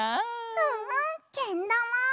うんうんけんだま！